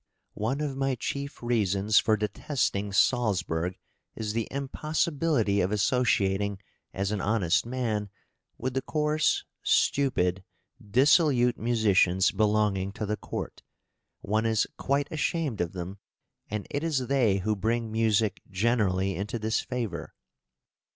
"One of my chief reasons for detesting Salzburg is the impossibility of associating, as an honest man, with the coarse, stupid, dissolute musicians belonging to the court; one is quite ashamed of them, and it is they who bring music generally into disfavour."